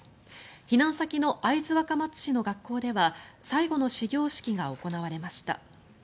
避難先の会津若松市の学校では最後の始業式が行われました。